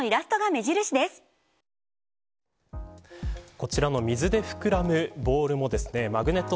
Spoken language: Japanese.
こちらの水で膨らむボールもマグネット